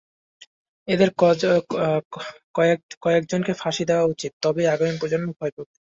এদের কয়এজন কে ফাঁসি দেওয়া উচিত, তবেই আগামী প্রজন্ম ভয় পাবে।